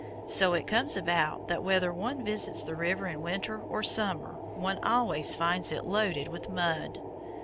So it comes about that whether one visits the river in winter or summer one always finds it loaded with mud.